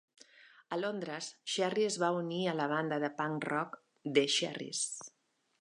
A Londres, Cherry es va unir a la banda de punk rock The Cherries.